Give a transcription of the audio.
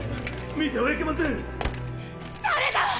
見てはいけませ誰だ